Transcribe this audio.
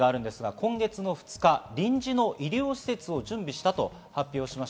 今月２日、臨時の医療施設を準備したということです。